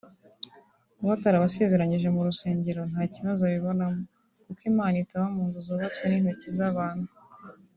Kuba atarabasezeranyirije mu rusengero nta kibazo abibonamo kuko Imana itaba mu nzu zubatswe n’intoki z’abantu